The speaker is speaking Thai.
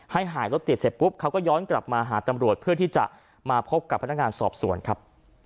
ให้หายรถติดเสร็จปุ๊บเขาก็ย้อนกลับมาหาตำรวจเพื่อที่จะมาพบกับพนักงานสอบสวนครับ